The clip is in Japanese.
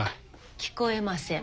聞こえません。